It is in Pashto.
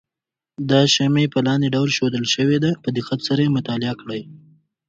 دا شمې په لاندې ډول ښودل شوې ده په دقت سره یې مطالعه کړئ.